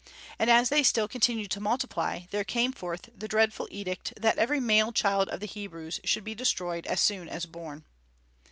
And as they still continued to multiply, there came forth the dreadful edict that every male child of the Hebrews should be destroyed as soon as born.